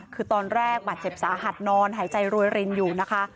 คือตอนแรกบาดเจ็บสาหัสนอนหายใจรวยรินอยู่นะคะ